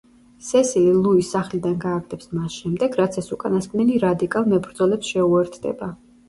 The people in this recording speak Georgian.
სესილი ლუის სახლიდან გააგდებს მას შემდეგ, რაც ეს უკანასკნელი რადიკალ მებრძოლებს შეუერთდება.